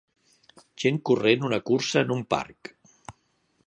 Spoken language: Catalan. Gent corrent una cursa en un parc.